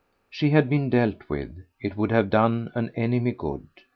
She had been dealt with it would have done an enemy good.